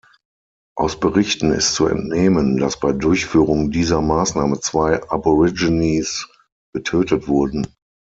Aus Berichten ist zu entnehmen, dass bei Durchführung dieser Maßnahme zwei Aborigines getötet wurden.